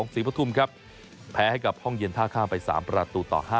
ศรีปฐุมครับแพ้ให้กับห้องเย็นท่าข้ามไป๓ประตูต่อ๕